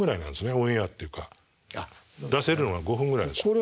オンエアっていうか出せるのが５分ぐらいでしょ。